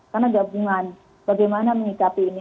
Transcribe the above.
karena gabungan bagaimana mengikapi ini